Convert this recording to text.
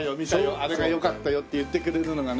「あれがよかったよ」って言ってくれるのがね